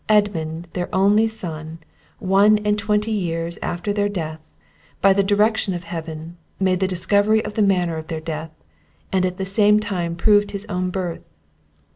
Edmunde theire onlie sonne, one and twentie yeares after theire deathe, by the direction of heavene, made the discoverye of the mannere of theire deathe, and at the same time proved his owne birthe.